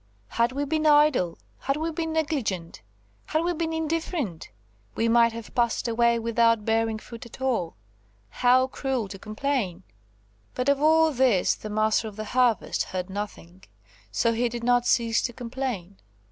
Had we been idle, had we been negligent, had we been indifferent, we might have passed away without bearing fruit at all. How cruel to complain!" But of all this the Master of the Harvest heard nothing, so he did not cease to complain.